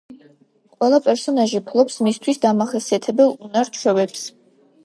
ყველა პერსონაჟი ფლობს მისთვის დამახასიათებელ უნარ-ჩვევებს.